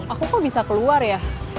aku kok bisa keluar ya